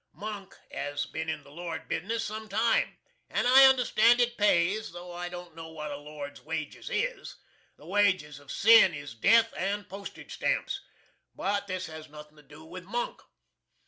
Monk has been in the lord bisniss some time, and I understand it pays, tho' I don't know what a lord's wages is. The wages of sin is death and postage stamps. But this has nothing to do with MONK.